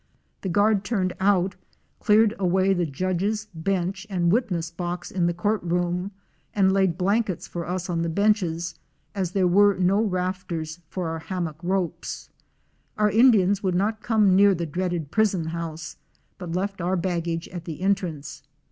The guard turned out, cleared away the judge's bench and witness box in the courtroom and laid blankets for us on the benches, as there were no rafters for our hammock ropes. Our Indians would not come near the dreaded prison house, but left our baggage at the entrance.